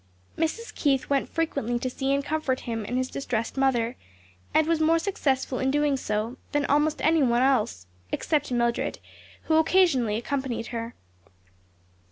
Mrs. Keith went frequently to see and comfort him and his distressed mother, and was more successful in so doing than almost any one else; except Mildred, who occasionally accompanied her.